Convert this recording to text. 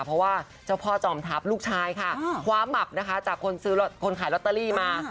เพราะว่าเจ้าพ่อจอมทัพลูกชายค่ะคว้าหมับนะคะจากคนซื้อคนขายลอตเตอรี่มา